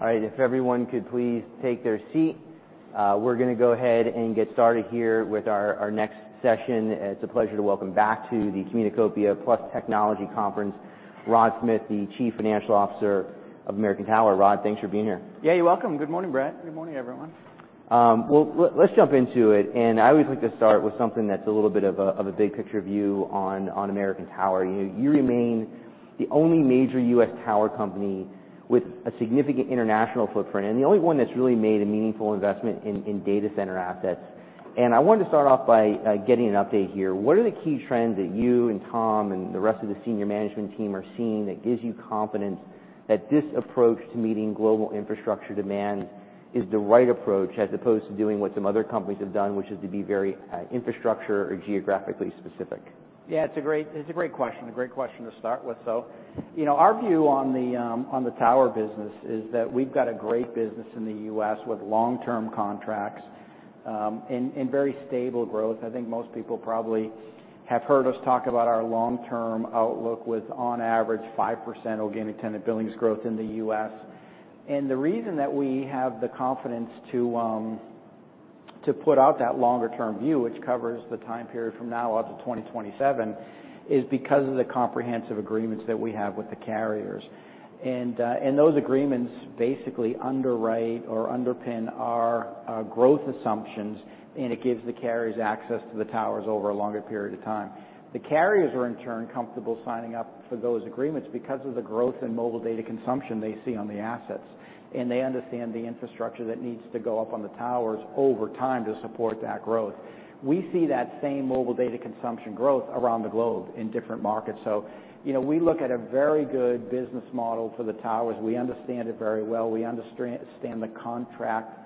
All right, if everyone could please take their seat. We're gonna go ahead and get started here with our next session. It's a pleasure to welcome back to the Communacopia + Technology Conference, Rod Smith, the Chief Financial Officer of American Tower. Rod, thanks for being here. Yeah, you're welcome. Good morning, Brett. Good morning, everyone. Well, let's jump into it, and I always like to start with something that's a little bit of a big picture view on American Tower. You know, you remain the only major U.S. tower company with a significant international footprint, and the only one that's really made a meaningful investment in data center assets. And I wanted to start off by getting an update here. What are the key trends that you and Tom, and the rest of the senior management team are seeing, that gives you confidence that this approach to meeting global infrastructure demand is the right approach, as opposed to doing what some other companies have done, which is to be very infrastructure or geographically specific? Yeah, it's a great, it's a great question. A great question to start with so. You know, our view on the tower business is that we've got a great business in the U.S. with long-term contracts, and very stable growth. I think most people probably have heard us talk about our long-term outlook with, on average, 5% organic tenant billings growth in the U.S. And the reason that we have the confidence to put out that longer term view, which covers the time period from now out to 2027, is because of the comprehensive agreements that we have with the carriers. And those agreements basically underwrite or underpin our growth assumptions, and it gives the carriers access to the towers over a longer period of time. The carriers are, in turn, comfortable signing up for those agreements because of the growth in mobile data consumption they see on the assets, and they understand the infrastructure that needs to go up on the towers over time to support that growth. We see that same mobile data consumption growth around the globe in different markets. So you know, we look at a very good business model for the towers. We understand it very well. We understand the contract,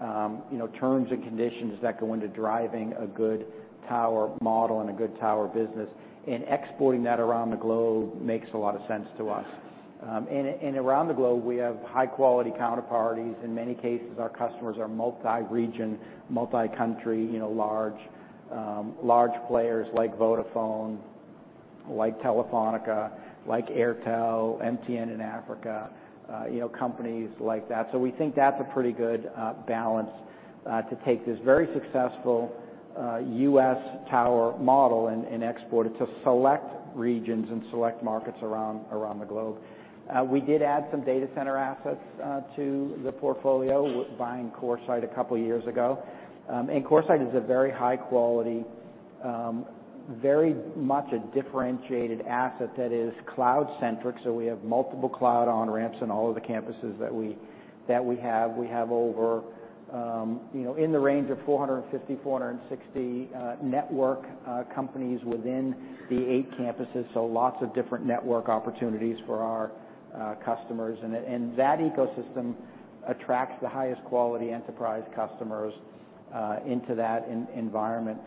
you know, terms and conditions that go into driving a good tower model and a good tower business, and exporting that around the globe makes a lot of sense to us. And around the globe, we have high-quality counterparties. In many cases, our customers are multi-region, multi-country, you know, large, large players like Vodafone, like Telefónica, like Airtel, MTN in Africa, you know, companies like that. So we think that's a pretty good balance to take this very successful U.S. tower model and export it to select regions and select markets around the globe. We did add some data center assets to the portfolio buying CoreSite a couple years ago. And CoreSite is a very high quality, very much a differentiated asset that is cloud-centric, so we have multiple cloud on-ramps on all of the campuses that we have. We have over, you know, in the range of 450-460 network companies within the eight campuses, so lots of different network opportunities for our customers. That ecosystem attracts the highest quality enterprise customers into that environment.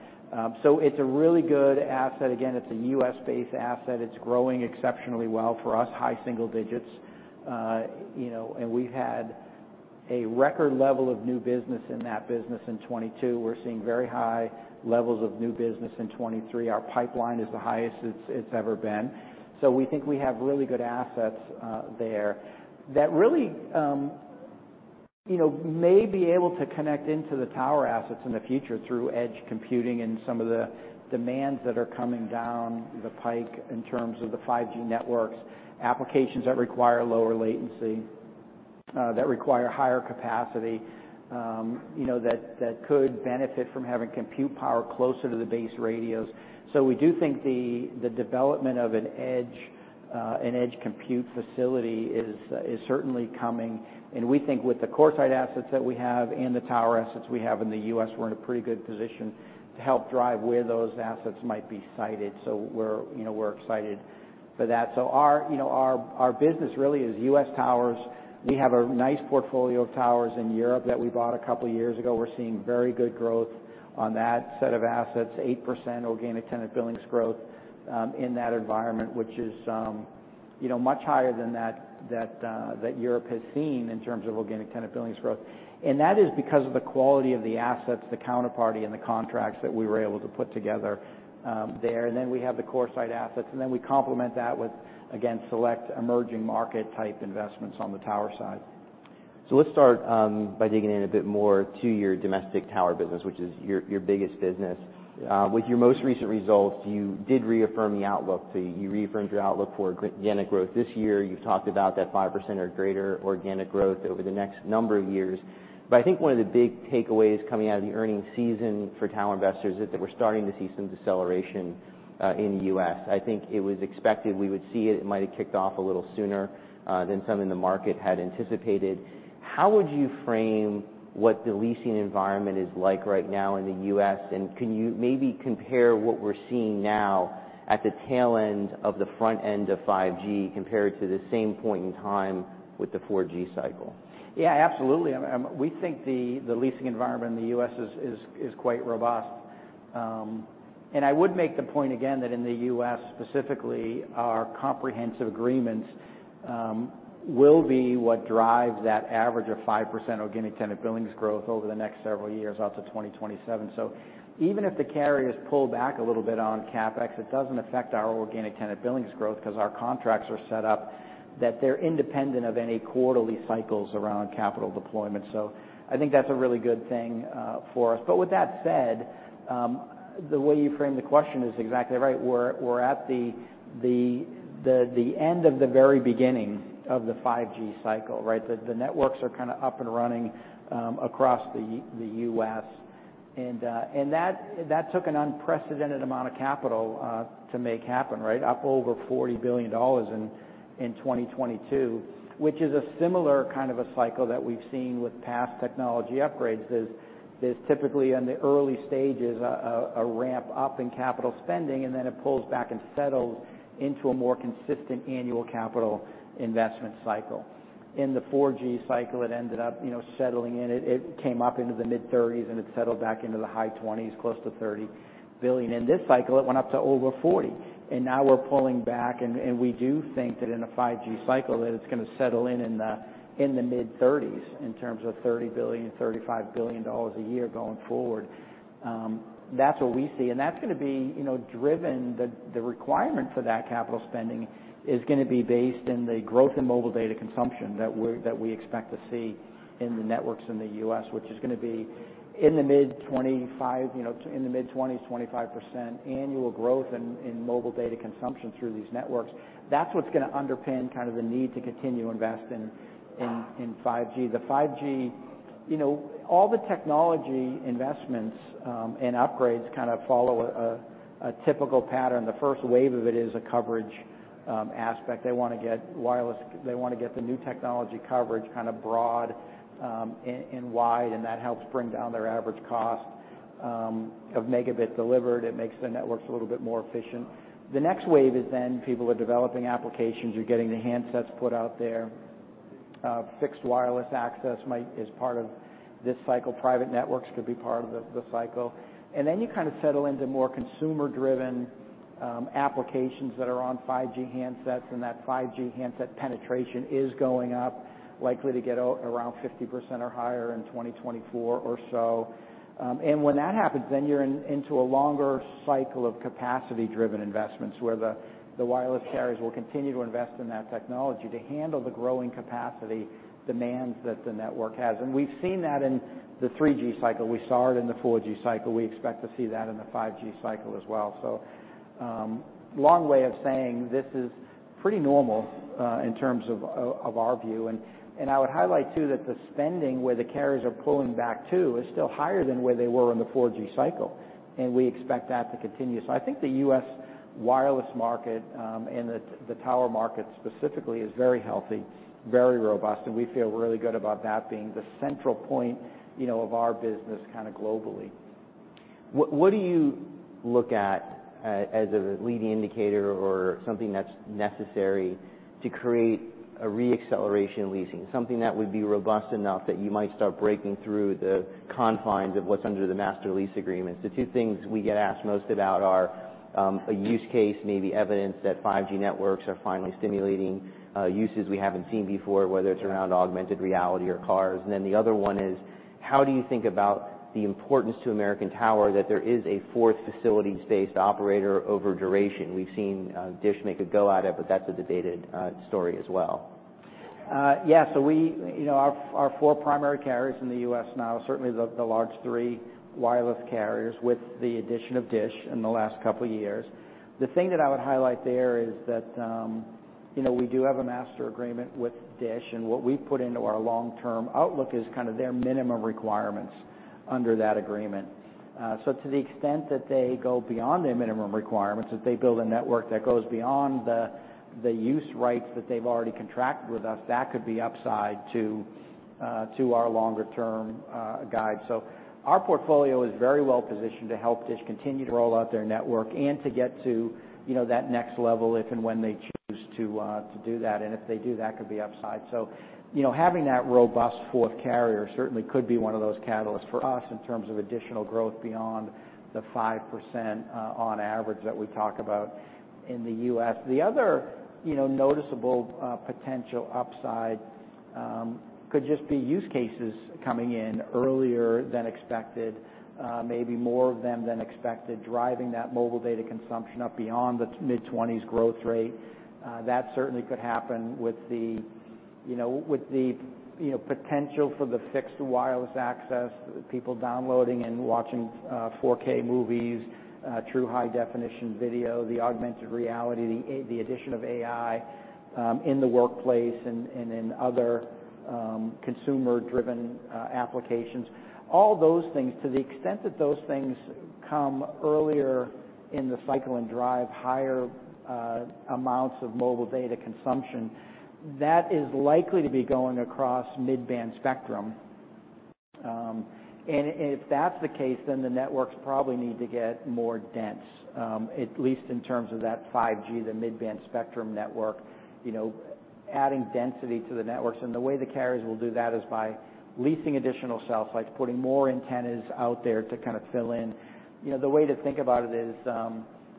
So it's a really good asset. Again, it's a U.S.-based asset. It's growing exceptionally well for us, high single digits. You know, and we've had a record level of new business in that business in 2022. We're seeing very high levels of new business in 2023. Our pipeline is the highest it's ever been. So we think we have really good assets there that really, you know, may be able to connect into the tower assets in the future through edge computing and some of the demands that are coming down the pike in terms of the 5G networks. Applications that require lower latency that require higher capacity, you know, that could benefit from having compute power closer to the base radios. So we do think the development of an edge compute facility is certainly coming, and we think with the CoreSite assets that we have and the tower assets we have in the U.S., we're in a pretty good position to help drive where those assets might be sited. So we're, you know, excited for that. So our, you know, business really is U.S. towers. We have a nice portfolio of towers in Europe that we bought a couple years ago. We're seeing very good growth on that set of assets, 8% organic tenant billings growth in that environment, which is, you know, much higher than that Europe has seen in terms of organic tenant billings growth. That is because of the quality of the assets, the counterparty, and the contracts that we were able to put together, there. Then we have the CoreSite assets, and then we complement that with, again, select emerging market-type investments on the tower side. So let's start by digging in a bit more to your domestic tower business, which is your, your biggest business. With your most recent results, you did reaffirm the outlook. So you reaffirmed your outlook for organic growth this year. You've talked about that 5% or greater organic growth over the next number of years. But I think one of the big takeaways coming out of the earnings season for tower investors is that we're starting to see some deceleration in the U.S. I think it was expected we would see it. It might have kicked off a little sooner than some in the market had anticipated. How would you frame what the leasing environment is like right now in the U.S., and can you maybe compare what we're seeing now at the tail end of the front end of 5G compared to the same point in time with the 4G cycle? Yeah, absolutely. We think the leasing environment in the U.S. is quite robust. And I would make the point again, that in the U.S. specifically, our comprehensive agreements will be what drives that average of 5% organic tenant billings growth over the next several years, out to 2027. So even if the carriers pull back a little bit on CapEx, it doesn't affect our organic tenant billings growth, 'cause our contracts are set up that they're independent of any quarterly cycles around capital deployment. So I think that's a really good thing for us. But with that said, the way you framed the question is exactly right. We're at the end of the very beginning of the 5G cycle, right? The networks are kinda up and running across the U.S., and that took an unprecedented amount of capital to make happen, right? Up over $40 billion in 2022, which is a similar kind of a cycle that we've seen with past technology upgrades. There's typically, in the early stages, a ramp up in capital spending, and then it pulls back and settles into a more consistent annual capital investment cycle. In the 4G cycle, it ended up, you know, settling in. It came up into the mid-30s, and it settled back into the high 20s, close to $30 billion. In this cycle, it went up to over $40 billion, and now we're pulling back, and we do think that in a 5G cycle, that it's gonna settle in the mid-$30s, in terms of $30 billion-$35 billion a year going forward. That's what we see, and that's gonna be, you know, driven, the requirement for that capital spending is gonna be based in the growth in mobile data consumption that we expect to see in the networks in the U.S., which is gonna be in the mid-20s, you know, 25% annual growth in mobile data consumption through these networks. That's what's gonna underpin kind of the need to continue investing in 5G. The 5G, you know, all the technology investments and upgrades kind of follow a typical pattern. The first wave of it is a coverage aspect. They wanna get wireless, they wanna get the new technology coverage kind of broad, and, and wide, and that helps bring down their average cost of megabits delivered. It makes the networks a little bit more efficient. The next wave is then people are developing applications. You're getting the handsets put out there. Fixed wireless access is part of this cycle. Private networks could be part of the cycle. And then you kind of settle into more consumer-driven applications that are on 5G handsets, and that 5G handset penetration is going up, likely to get around 50% or higher in 2024 or so. And when that happens, then you're into a longer cycle of capacity-driven investments, where the wireless carriers will continue to invest in that technology to handle the growing capacity demands that the network has. And we've seen that in the 3G cycle. We saw it in the 4G cycle. We expect to see that in the 5G cycle as well. So, long way of saying this is pretty normal, in terms of our view. And I would highlight, too, that the spending, where the carriers are pulling back, too, is still higher than where they were in the 4G cycle, and we expect that to continue. I think the U.S. wireless market, and the tower market specifically, is very healthy, very robust, and we feel really good about that being the central point, you know, of our business kinda globally. What do you look at as a leading indicator or something that's necessary to create a re-acceleration in leasing, something that would be robust enough that you might start breaking through the confines of what's under the master lease agreements? The two things we get asked most about are a use case, maybe evidence that 5G networks are finally stimulating uses we haven't seen before, whether it's around augmented reality or cars. And then the other one is: How do you think about the importance to American Tower that there is a fourth facilities-based operator over duration? We've seen DISH make a go at it, but that's a debated story as well. Yeah, so we... You know, our four primary carriers in the U.S. now, certainly the large three wireless carriers, with the addition of Dish in the last couple years. The thing that I would highlight there is that, you know, we do have a master agreement with Dish, and what we put into our long-term outlook is kind of their minimum requirements under that agreement. So to the extent that they go beyond their minimum requirements, if they build a network that goes beyond the use rights that they've already contracted with us, that could be upside to our longer-term guide. So our portfolio is very well positioned to help DISH continue to roll out their network and to get to, you know, that next level, if and when they choose to do that, and if they do, that could be upside. So, you know, having that robust fourth carrier certainly could be one of those catalysts for us in terms of additional growth beyond the 5%, on average that we talk about in the U.S. The other, you know, noticeable potential upside could just be use cases coming in earlier than expected, maybe more of them than expected, driving that mobile data consumption up beyond the mid-20s% growth rate. That certainly could happen with the, you know, potential for the fixed wireless access, people downloading and watching, 4K movies, true high-definition video, the augmented reality, the addition of AI, in the workplace and in other, consumer-driven, applications. All those things, to the extent that those things come earlier in the cycle and drive higher amounts of mobile data consumption, that is likely to be going across mid-band spectrum, and if that's the case, then the networks probably need to get more dense, at least in terms of that 5G, the mid-band spectrum network, you know, adding density to the networks. And the way the carriers will do that is by leasing additional cell sites, putting more antennas out there to kind of fill in. You know, the way to think about it is,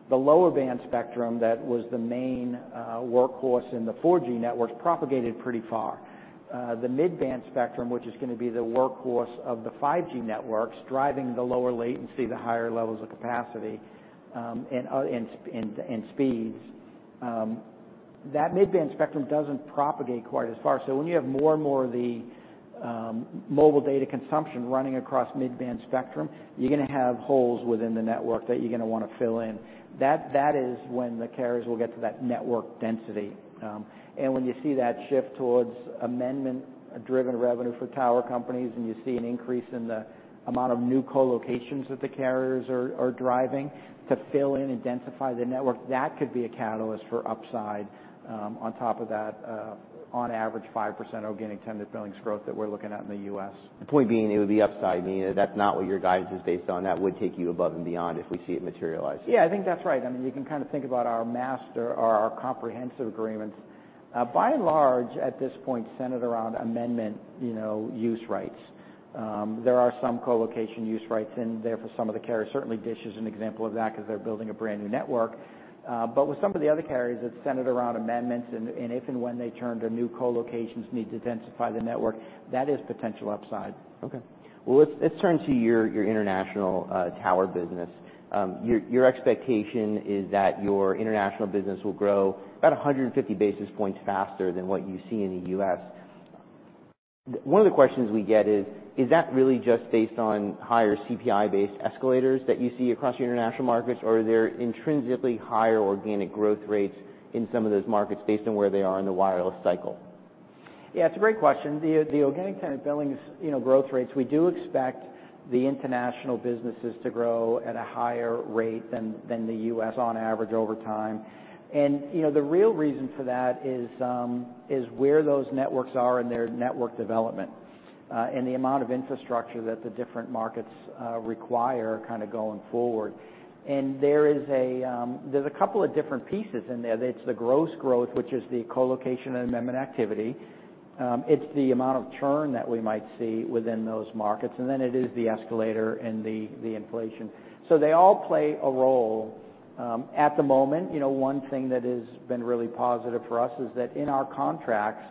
the lower band spectrum, that was the main workhorse in the 4G networks, propagated pretty far. The mid-band spectrum, which is gonna be the workhorse of the 5G networks, driving the lower latency, the higher levels of capacity, and speeds, that mid-band spectrum doesn't propagate quite as far. So when you have more and more of the mobile data consumption running across mid-band spectrum, you're gonna have holes within the network that you're gonna wanna fill in. That, that is when the carriers will get to that network density. And when you see that shift towards amendment-driven revenue for tower companies, and you see an increase in the amount of new co-locations that the carriers are driving to fill in and densify the network, that could be a catalyst for upside, on top of that, on average, 5% organic tenant billings growth that we're looking at in the U.S. The point being, it would be upside. I mean, that's not what your guidance is based on, that would take you above and beyond if we see it materialize. Yeah, I think that's right. I mean, you can kind of think about our master or our comprehensive agreements, by and large, at this point, centered around amendment, you know, use rights. There are some co-location use rights in there for some of the carriers. Certainly, DISH is an example of that 'cause they're building a brand-new network. But with some of the other carriers, it's centered around amendments, and if and when they turn to new co-locations need to densify the network, that is potential upside. Okay. Well, let's turn to your international tower business. Your expectation is that your international business will grow about 150 basis points faster than what you see in the U.S. One of the questions we get is: Is that really just based on higher CPI-based escalators that you see across the international markets, or are there intrinsically higher organic growth rates in some of those markets based on where they are in the wireless cycle? Yeah, it's a great question. The organic tenant billings, you know, growth rates, we do expect the international businesses to grow at a higher rate than the U.S. on average over time. And, you know, the real reason for that is where those networks are in their network development, and the amount of infrastructure that the different markets require kind of going forward. And there's a couple of different pieces in there. It's the gross growth, which is the co-location and amendment activity. It's the amount of churn that we might see within those markets, and then it is the escalator and the inflation. So they all play a role. At the moment, you know, one thing that has been really positive for us is that in our contracts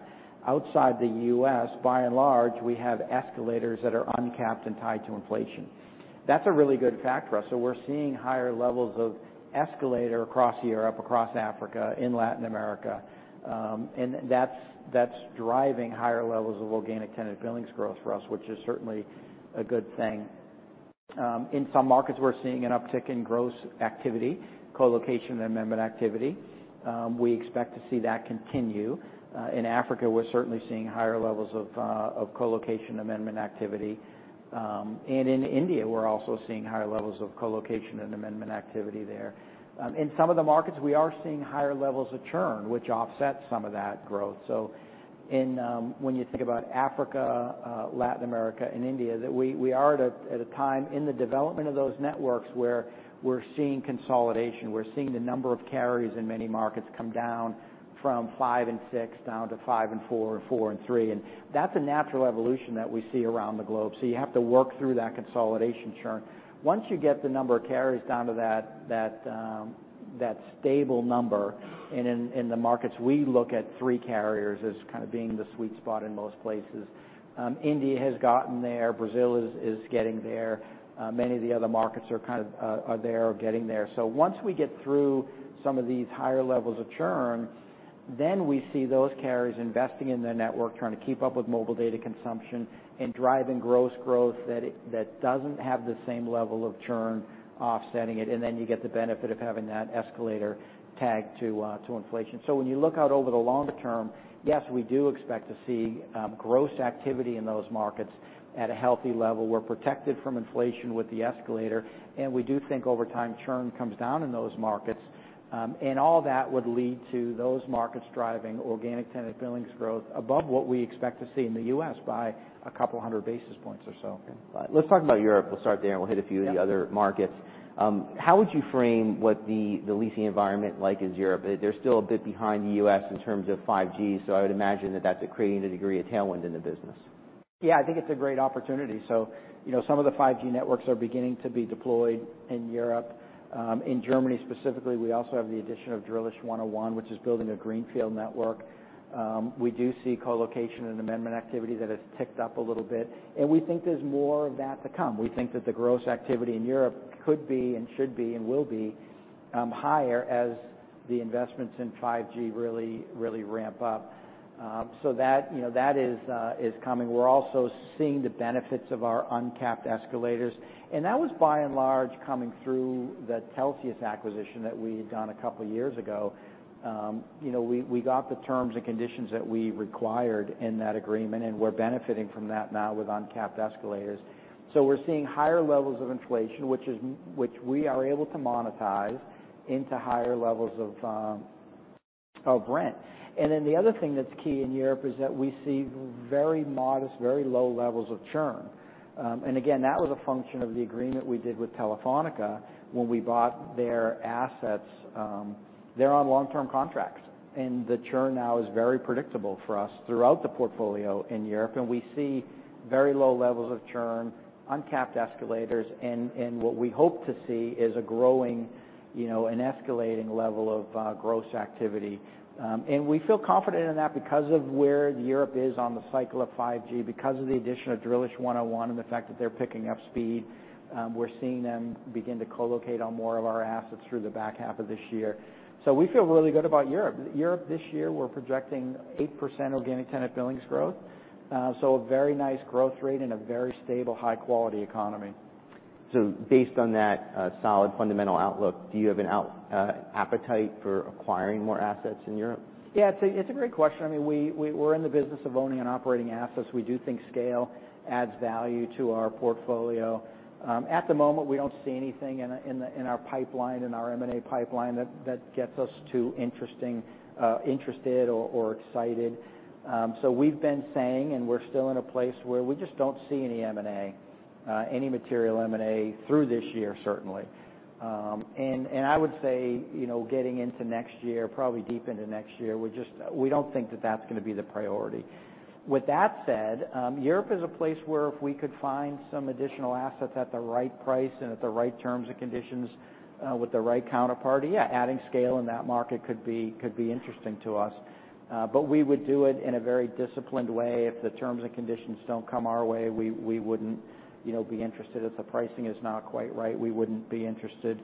outside the U.S., by and large, we have escalators that are uncapped and tied to inflation. That's a really good fact for us. So we're seeing higher levels of escalator across Europe, across Africa, in Latin America, and that's driving higher levels of organic tenant billings growth for us, which is certainly a good thing. In some markets, we're seeing an uptick in gross activity, co-location and amendment activity. We expect to see that continue. In Africa, we're certainly seeing higher levels of co-location amendment activity. And in India, we're also seeing higher levels of co-location and amendment activity there. In some of the markets, we are seeing higher levels of churn, which offsets some of that growth. So in, when you think about Africa, Latin America and India, that we are at a time in the development of those networks where we're seeing consolidation. We're seeing the number of carriers in many markets come down from five and six, down to five and four, and four and three, and that's a natural evolution that we see around the globe. So you have to work through that consolidation churn. Once you get the number of carriers down to that stable number, and in the markets, we look at three carriers as kind of being the sweet spot in most places. India has gotten there, Brazil is getting there, many of the other markets are kind of are there or getting there. So once we get through some of these higher levels of churn, then we see those carriers investing in their network, trying to keep up with mobile data consumption and driving gross growth that doesn't have the same level of churn offsetting it, and then you get the benefit of having that escalator tagged to inflation. So when you look out over the longer term, yes, we do expect to see gross activity in those markets at a healthy level. We're protected from inflation with the escalator, and we do think over time, churn comes down in those markets. And all that would lead to those markets driving Organic Tenant Billings Growth above what we expect to see in the U.S. by a couple hundred basis points or so. Let's talk about Europe. We'll start there, and we'll hit a few of the other markets. Yep. How would you frame what the leasing environment like in Europe? They're still a bit behind the U.S. in terms of 5G, so I would imagine that that's creating a degree of tailwind in the business. Yeah, I think it's a great opportunity. So you know, some of the 5G networks are beginning to be deployed in Europe. In Germany specifically, we also have the addition of 1&1 Drillisch, which is building a greenfield network. We do see co-location and amendment activity that has ticked up a little bit, and we think there's more of that to come. We think that the gross activity in Europe could be and should be and will be higher as the investments in 5G really, really ramp up. So that, you know, that is coming. We're also seeing the benefits of our uncapped escalators, and that was by and large coming through the Telxius acquisition that we had done a couple of years ago. You know, we, we got the terms and conditions that we required in that agreement, and we're benefiting from that now with uncapped escalators. So we're seeing higher levels of inflation, which we are able to monetize into higher levels of, our brand. And then the other thing that's key in Europe is that we see very modest, very low levels of churn. And again, that was a function of the agreement we did with Telefónica when we bought their assets. They're on long-term contracts, and the churn now is very predictable for us throughout the portfolio in Europe, and we see very low levels of churn, uncapped escalators, and, and what we hope to see is a growing, you know, an escalating level of, gross activity. And we feel confident in that because of where Europe is on the cycle of 5G, because of the addition of 1&1 Drillisch, and the fact that they're picking up speed. We're seeing them begin to co-locate on more of our assets through the back half of this year. So we feel really good about Europe. Europe this year, we're projecting 8% organic tenant billings growth, so a very nice growth rate and a very stable, high quality economy. So based on that, solid fundamental outlook, do you have an appetite for acquiring more assets in Europe? Yeah, it's a great question. I mean, we-- we're in the business of owning and operating assets. We do think scale adds value to our portfolio. At the moment, we don't see anything in our pipeline, in our M&A pipeline, that gets us interested or excited. So we've been saying, and we're still in a place where we just don't see any M&A, any material M&A through this year, certainly. And I would say, you know, getting into next year, probably deep into next year, we just-- we don't think that that's gonna be the priority. With that said, Europe is a place where if we could find some additional assets at the right price and at the right terms and conditions, with the right counterparty, yeah, adding scale in that market could be, could be interesting to us. But we would do it in a very disciplined way. If the terms and conditions don't come our way, we, we wouldn't, you know, be interested. If the pricing is not quite right, we wouldn't be interested.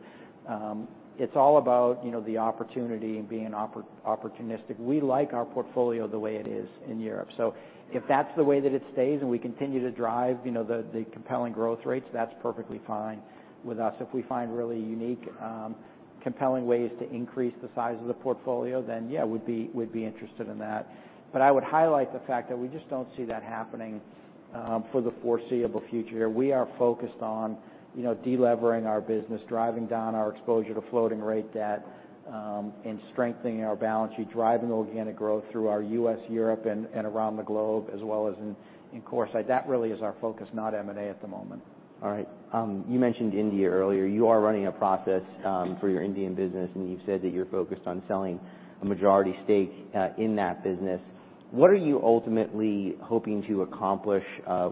It's all about, you know, the opportunity and being opportunistic. We like our portfolio the way it is in Europe. So if that's the way that it stays, and we continue to drive, you know, the, the compelling growth rates, that's perfectly fine with us. If we find really unique, compelling ways to increase the size of the portfolio, then, yeah, we'd be interested in that. But I would highlight the fact that we just don't see that happening for the foreseeable future. We are focused on, you know, de-levering our business, driving down our exposure to floating rate debt, and strengthening our balance sheet, driving organic growth through our U.S., Europe, and around the globe, as well as in CoreSite. That really is our focus, not M&A at the moment. All right. You mentioned India earlier. You are running a process for your Indian business, and you've said that you're focused on selling a majority stake in that business. What are you ultimately hoping to accomplish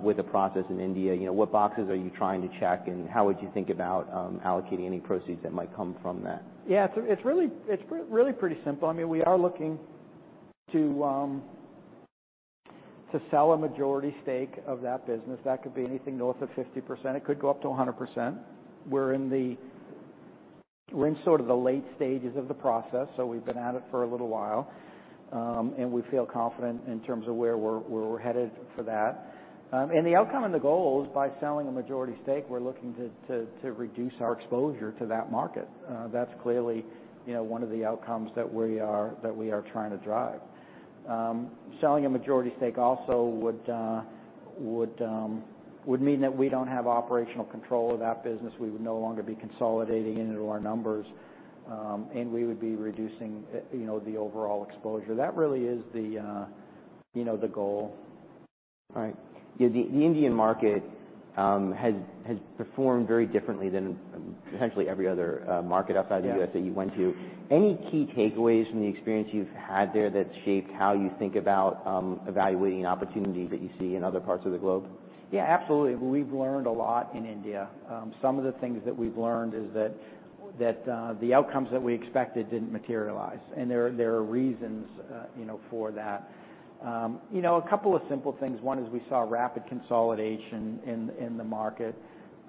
with the process in India? You know, what boxes are you trying to check, and how would you think about allocating any proceeds that might come from that? Yeah, it's really pretty simple. I mean, we are looking to sell a majority stake of that business. That could be anything north of 50%. It could go up to 100%. We're in sort of the late stages of the process, so we've been at it for a little while. And we feel confident in terms of where we're headed for that. And the outcome and the goal is by selling a majority stake, we're looking to reduce our exposure to that market. That's clearly, you know, one of the outcomes that we are trying to drive. Selling a majority stake also would mean that we don't have operational control of that business. We would no longer be consolidating it into our numbers, and we would be reducing, you know, the overall exposure. That really is, you know, the goal. All right. Yeah, the Indian market has performed very differently than essentially every other market outside the U.S.- Yeah... that you went to. Any key takeaways from the experience you've had there that's shaped how you think about evaluating opportunities that you see in other parts of the globe? Yeah, absolutely. We've learned a lot in India. Some of the things that we've learned is that the outcomes that we expected didn't materialize, and there are reasons, you know, for that. You know, a couple of simple things. One is we saw rapid consolidation in the market,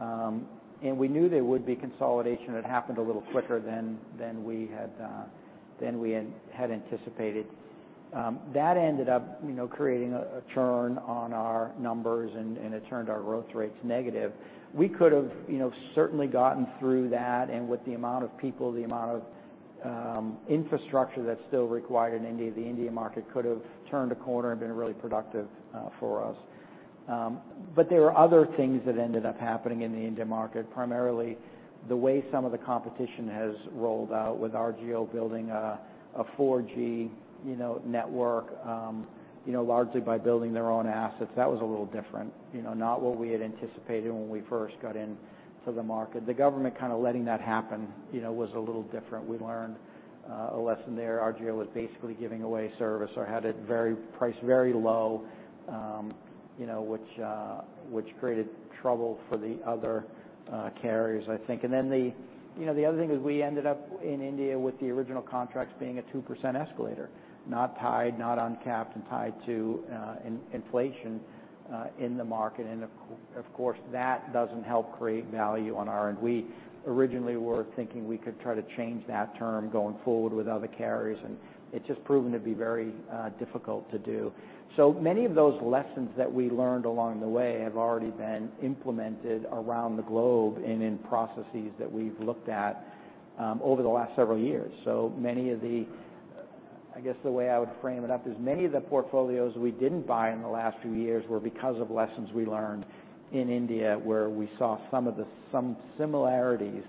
and we knew there would be consolidation. It happened a little quicker than we had anticipated. That ended up, you know, creating a churn on our numbers, and it turned our growth rates negative. We could have, you know, certainly gotten through that, and with the amount of people, the amount of infrastructure that's still required in India, the India market could have turned a corner and been really productive for us. But there were other things that ended up happening in the India market, primarily the way some of the competition has rolled out with RJio building a 4G, you know, network, you know, largely by building their own assets. That was a little different, you know, not what we had anticipated when we first got into the market. The government kind of letting that happen, you know, was a little different. We learned a lesson there. RJio was basically giving away service or had it very priced very low, you know, which, which created trouble for the other, carriers, I think. And then the, you know, the other thing is we ended up in India with the original contracts being a 2% escalator, not tied, not uncapped, and tied to, inflation, in the market. Of course, that doesn't help create value on our end. We originally were thinking we could try to change that term going forward with other carriers, and it's just proven to be very difficult to do. So many of those lessons that we learned along the way have already been implemented around the globe and in processes that we've looked at over the last several years. So many of the... I guess the way I would frame it up is many of the portfolios we didn't buy in the last few years were because of lessons we learned in India, where we saw some of the similarities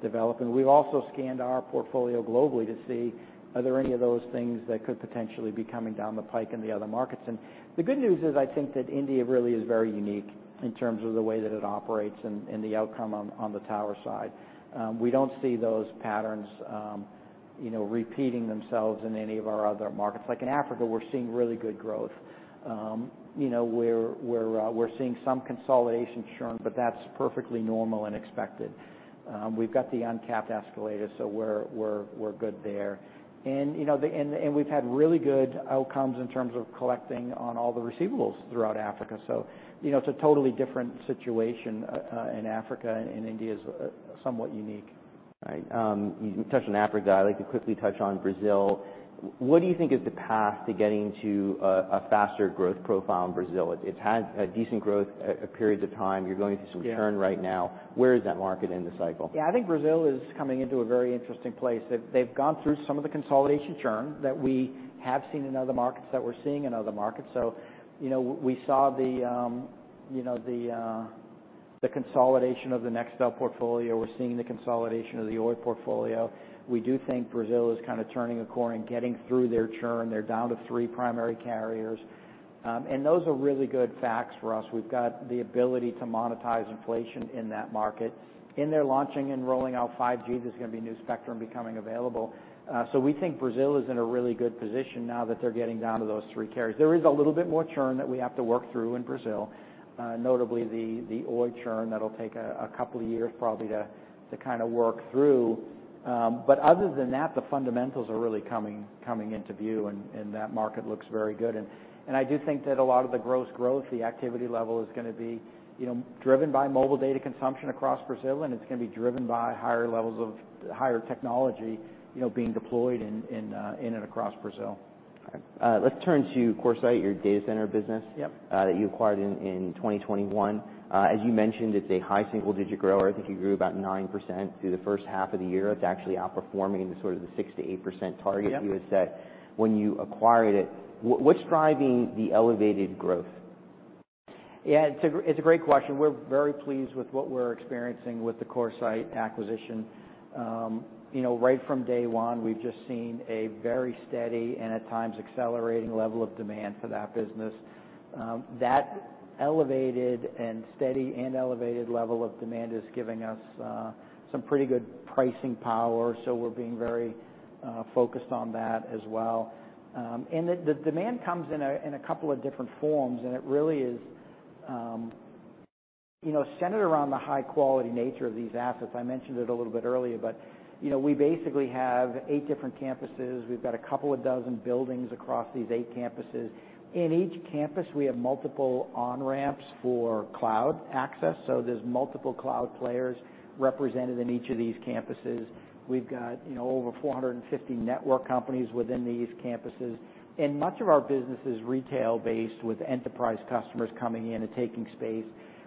develop, and we've also scanned our portfolio globally to see are there any of those things that could potentially be coming down the pike in the other markets? The good news is, I think that India really is very unique in terms of the way that it operates and the outcome on the tower side. We don't see those patterns, you know, repeating themselves in any of our other markets. Like in Africa, we're seeing really good growth. You know, we're seeing some consolidation churn, but that's perfectly normal and expected. We've got the uncapped escalator, so we're good there. And, you know, we've had really good outcomes in terms of collecting on all the receivables throughout Africa. So, you know, it's a totally different situation in Africa, and India is somewhat unique. Right. You touched on Africa. I'd like to quickly touch on Brazil. What do you think is the path to getting to a faster growth profile in Brazil? It's had a decent growth periods of time. You're going through some churn right now. Yeah. Where is that market in the cycle? Yeah, I think Brazil is coming into a very interesting place. They've, they've gone through some of the consolidation churn that we have seen in other markets, that we're seeing in other markets. So you know, we saw the, the consolidation of the Nextel portfolio. We're seeing the consolidation of the Oi portfolio. We do think Brazil is kind of turning a corner and getting through their churn. They're down to three primary carriers, and those are really good facts for us. We've got the ability to monetize inflation in that market. And they're launching and rolling out 5G. There's gonna be new spectrum becoming available. So we think Brazil is in a really good position now that they're getting down to those three carriers. There is a little bit more churn that we have to work through in Brazil, notably the Oi churn that'll take a couple of years probably to kind of work through. But other than that, the fundamentals are really coming into view, and that market looks very good. And I do think that a lot of the gross growth, the activity level, is gonna be, you know, driven by mobile data consumption across Brazil, and it's gonna be driven by higher levels of higher technology, you know, being deployed in and across Brazil. Let's turn to CoreSite, your data center business- Yep. that you acquired in 2021. As you mentioned, it's a high single-digit grower. I think it grew about 9% through the first half of the year. It's actually outperforming the sort of the 6%-8% target- Yep you had set when you acquired it. What, what's driving the elevated growth? Yeah, it's a great question. We're very pleased with what we're experiencing with the CoreSite acquisition. You know, right from day one, we've just seen a very steady and, at times, accelerating level of demand for that business. That elevated and steady and elevated level of demand is giving us some pretty good pricing power, so we're being very focused on that as well. And the demand comes in a couple of different forms, and it really is, you know, centered around the high quality nature of these assets. I mentioned it a little bit earlier, but, you know, we basically have eight different campuses. We've got a couple of dozen buildings across these eight campuses. In each campus, we have multiple on-ramps for cloud access, so there's multiple cloud players represented in each of these campuses. We've got, you know, over 450 network companies within these campuses, and much of our business is retail-based, with enterprise customers coming in and taking space.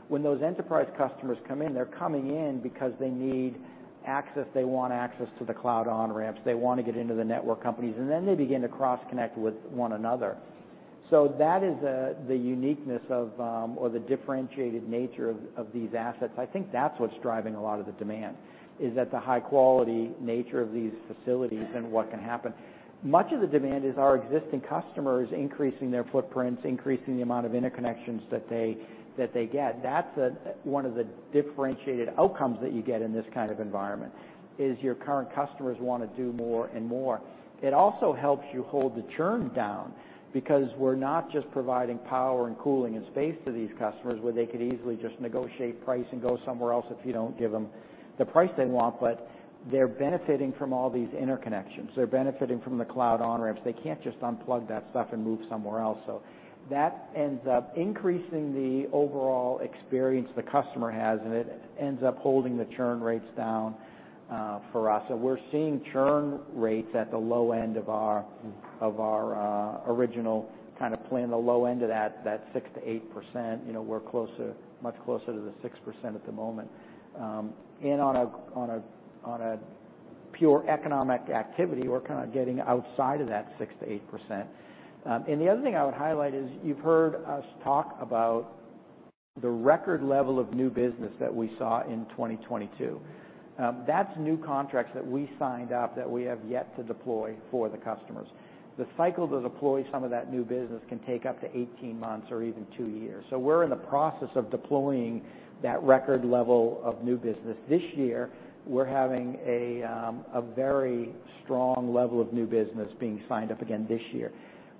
When those enterprise customers come in, they're coming in because they need access. They want access to the cloud on-ramps. They want to get into the network companies, and then they begin to cross-connect with one another. So that is the uniqueness of, or the differentiated nature of these assets. I think that's what's driving a lot of the demand, is that the high quality nature of these facilities and what can happen. Much of the demand is our existing customers increasing their footprints, increasing the amount of interconnections that they get. That's one of the differentiated outcomes that you get in this kind of environment, is your current customers wanna do more and more. It also helps you hold the churn down because we're not just providing power and cooling and space to these customers, where they could easily just negotiate price and go somewhere else if you don't give them the price they want. But they're benefiting from all these interconnections. They're benefiting from the cloud on-ramps. They can't just unplug that stuff and move somewhere else, so that ends up increasing the overall experience the customer has, and it ends up holding the churn rates down for us. So we're seeing churn rates at the low end of our original kind of plan, the low end of that 6%-8%. You know, we're closer, much closer to the 6% at the moment. And on a pure economic activity, we're kind of getting outside of that 6%-8%. And the other thing I would highlight is, you've heard us talk about the record level of new business that we saw in 2022. That's new contracts that we signed up that we have yet to deploy for the customers. The cycle to deploy some of that new business can take up to 18 months or even two years, so we're in the process of deploying that record level of new business. This year, we're having a very strong level of new business being signed up again this year.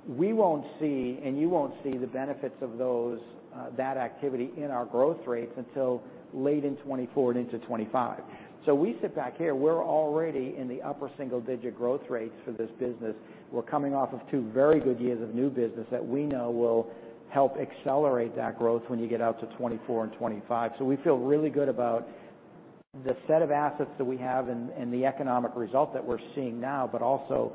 We won't see, and you won't see the benefits of those, that activity in our growth rates until late in 2024 and into 2025. So we sit back here. We're already in the upper single-digit growth rates for this business. We're coming off of two very good years of new business that we know will help accelerate that growth when you get out to 2024 and 2025. So we feel really good about the set of assets that we have and the economic result that we're seeing now, but also,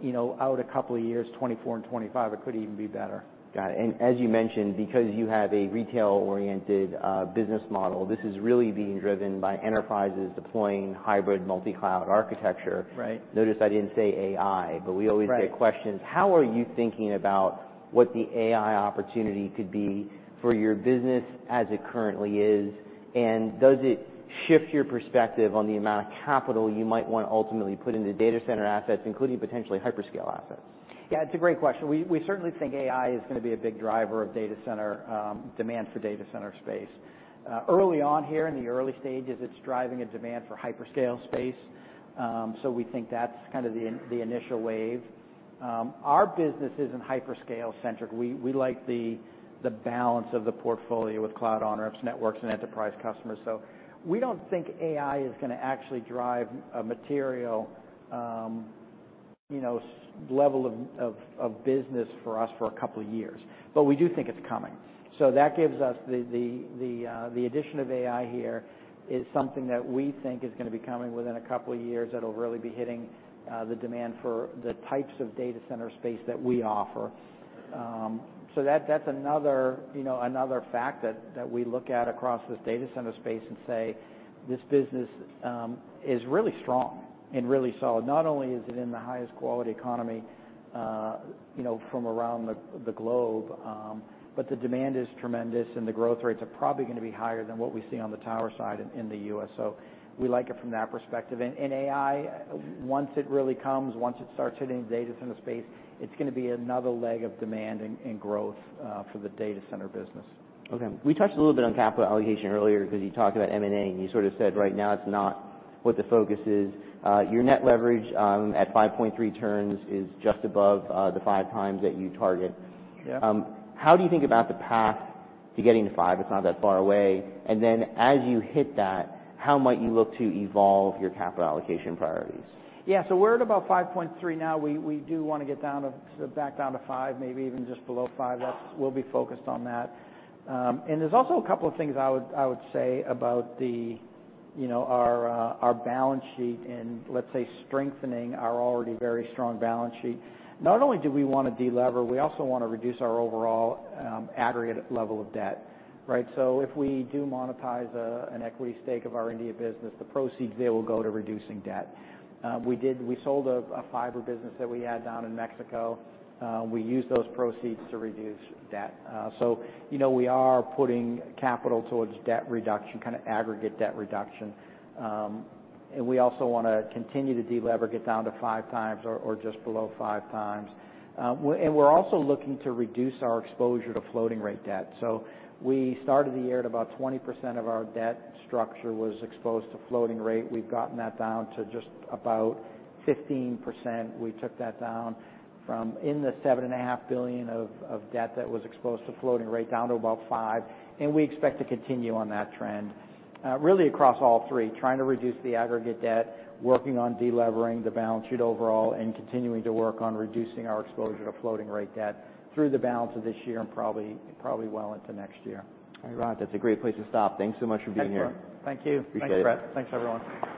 you know, out a couple of years, 2024 and 2025, it could even be better. Got it. And as you mentioned, because you have a retail-oriented business model, this is really being driven by enterprises deploying hybrid multi-cloud architecture. Right. Notice I didn't say AI, but we- Right Always get questions. How are you thinking about what the AI opportunity could be for your business as it currently is? And does it shift your perspective on the amount of capital you might want to ultimately put into data center assets, including potentially hyperscale assets? Yeah, it's a great question. We certainly think AI is gonna be a big driver of data center demand for data center space. Early on here, in the early stages, it's driving a demand for hyperscale space. So we think that's kind of the initial wave. Our business isn't hyperscale-centric. We like the balance of the portfolio with cloud on-ramps, networks, and enterprise customers. So we don't think AI is gonna actually drive a material, you know, level of business for us for a couple of years. But we do think it's coming. So that gives us the addition of AI here is something that we think is gonna be coming within a couple of years, that'll really be hitting the demand for the types of data center space that we offer. So that's another, you know, another fact that we look at across this data center space and say, "This business is really strong and really solid." Not only is it in the highest quality economy, you know, from around the globe, but the demand is tremendous, and the growth rates are probably gonna be higher than what we see on the tower side in the U.S. So we like it from that perspective. And AI, once it really comes, once it starts hitting the data center space, it's gonna be another leg of demand and growth for the data center business. Okay. We touched a little bit on capital allocation earlier because you talked about M&A, and you sort of said right now, it's not what the focus is. Your net leverage at 5.3x is just above the 5x that you target. Yeah. How do you think about the path to getting to five? It's not that far away. And then as you hit that, how might you look to evolve your capital allocation priorities? Yeah, so we're at about 5.3 now. We do wanna get down to, back down to five, maybe even just below five. That's. We'll be focused on that. And there's also a couple of things I would say about the, you know, our balance sheet and, let's say, strengthening our already very strong balance sheet. Not only do we wanna delever, we also wanna reduce our overall, aggregate level of debt, right? So if we do monetize, an equity stake of our India business, the proceeds there will go to reducing debt. We did. We sold a fiber business that we had down in Mexico. We used those proceeds to reduce debt. So, you know, we are putting capital towards debt reduction, kind of aggregate debt reduction. And we also wanna continue to delever, get down to 5x or just below 5x. And we're also looking to reduce our exposure to floating rate debt. So we started the year at about 20% of our debt structure was exposed to floating rate. We've gotten that down to just about 15%. We took that down from $7.5 billion of debt that was exposed to floating rate, down to about $5 billion, and we expect to continue on that trend, really across all three, trying to reduce the aggregate debt, working on delevering the balance sheet overall, and continuing to work on reducing our exposure to floating rate debt through the balance of this year and probably well into next year. All right, that's a great place to stop. Thanks so much for being here. Thank you. Appreciate it. Thanks, Brett. Thanks, everyone.